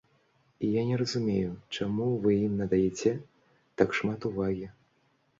І я не разумею, чаму вы ім надаяце так шмат увагі.